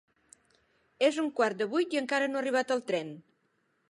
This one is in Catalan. És un quart de vuit i encara no ha arribat el tren.